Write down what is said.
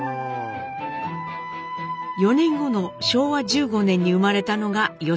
４年後の昭和１５年に生まれたのが良子。